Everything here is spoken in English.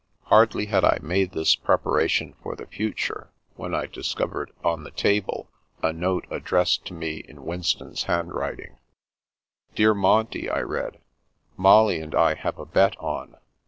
Hardly had I made this preparation for the future when I discovered on the table a note addressed to me in Winston's handwriting. " Dear Monty," I read, " Molly and I have a bet on.